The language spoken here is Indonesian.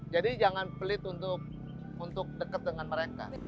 jadi jangan pelit untuk deket dengan mereka